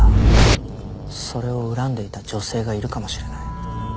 それを恨んでいた女性がいるかもしれない。